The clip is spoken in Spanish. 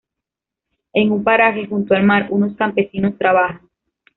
En un paraje junto al mar, unos campesinos trabajan.